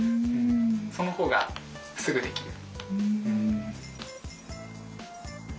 その方がすぐできる。